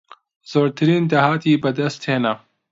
زۆرترین داهاتی بەدەستهێنا